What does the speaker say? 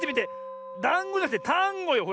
「だんご」じゃなくて「たんご」よ！ほら。